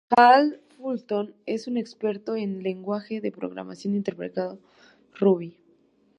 Hal Fulton es un experto en lenguaje de programación interpretado Ruby.